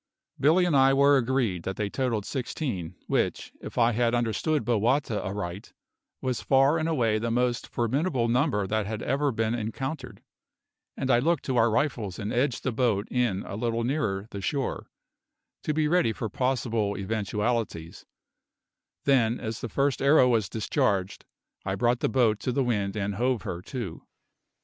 Billy and I were agreed that they totalled sixteen, which, if I had understood Bowata aright, was far and away the most formidable number that had ever been encountered; and I looked to our rifles and edged the boat in a little nearer the shore, to be ready for possible eventualities; then, as the first arrow was discharged, I brought the boat to the wind and hove her to.